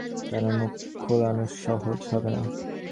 তার মুখ খোলানো সহজ হবে না!